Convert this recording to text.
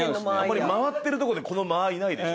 これ回ってるとこでこの間合いないでしょ。